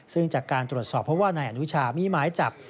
ซึ่งจากการตรวจสอบเพราะว่านายอนุชามีหมายจับ